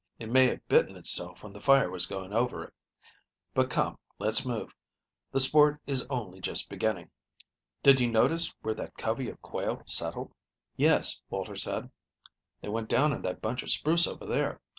"It may have bitten itself when the fire was going over it. But come, let's move on. The sport is only just beginning. Did you notice where that covey of quail settled?" "Yes," Walter said, "they went down in that bunch of spruce over there.